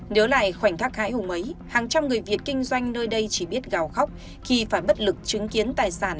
nhớ lại khoảnh khắc hãi hùng ấy hàng trăm người việt kinh doanh nơi đây chỉ biết gào khóc khi phải bất lực chứng kiến tài sản